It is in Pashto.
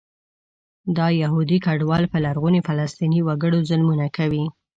دا یهودي کډوال په لرغوني فلسطیني وګړو ظلمونه کوي.